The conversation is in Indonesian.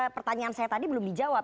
pertanyaan saya tadi belum dijawab